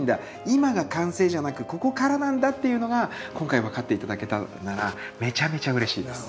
今が完成じゃなくここからなんだっていうのが今回分かって頂けたならめちゃめちゃうれしいです。